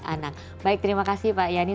anak baik terima kasih pak yani